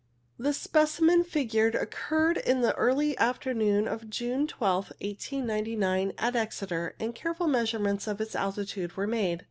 The specimen figured occurred in the early afternoon on June 1 2, 1899, at Exeter, and careful measurements of its altitude were made.